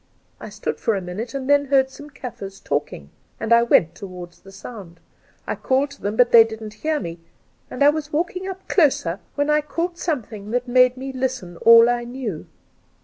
I stood for a minute, and then heard some Kaffirs talking, and I went towards the sound. I called to them, but they didn't hear me; and I was walking up closer when I caught something that made me listen all I knew.